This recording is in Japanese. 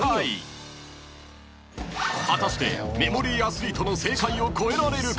［果たしてメモリーアスリートの正解を超えられるか？］